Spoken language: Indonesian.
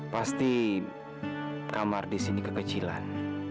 pasti kamar di sini kekecilan